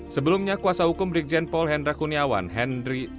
sebelumnya kuasa hukum brigjen paul hendra kuniawan hendry yosemite